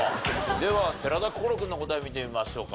では寺田心君の答え見てみましょうか。